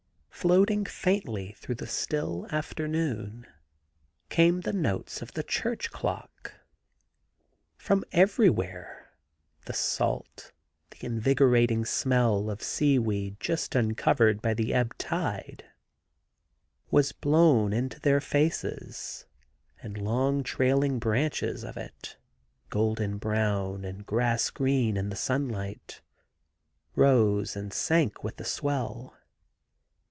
Floating faintly through the still after noon came the notes of the church clock. From everywhere the salt, invigorating smell of seaweed just uncovered by the ebb tide was blown into their faces, and long trailing branches of it, golden brown and grass green in the sunUght, rose and sank with the swell.